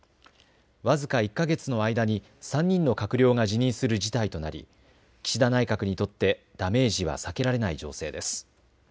僅か１か月の間に３人の閣僚が辞任する事態となり岸田内閣にとってダメージは避けられない情勢です。